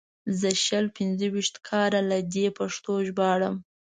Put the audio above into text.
زه شل پنځه ویشت کاله له دې پښتو ژاړم.